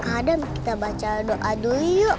adam kita baca doa dulu yuk